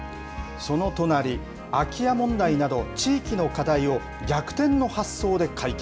その隣、空き家問題など、地域の課題を逆転の発想で解決。